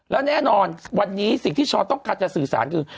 แล้วแน่นอนวันนี้สิ่งที่ช้อต้องการจะสื่อสารคือ